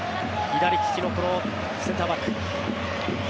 左利きのセンターバック。